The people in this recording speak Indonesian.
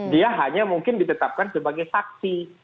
dia hanya mungkin ditetapkan sebagai saksi